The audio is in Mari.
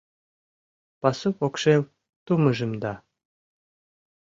Пасу покшел тумыжым да